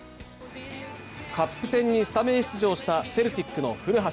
カップ戦にスタメン出場したセルティックの古橋。